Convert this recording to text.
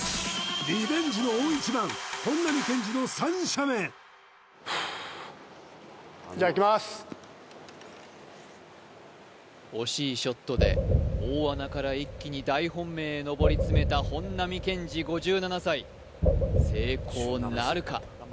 リベンジの大一番ふっ惜しいショットで大穴から一気に大本命へ上り詰めた本並健治５７歳成功なるか？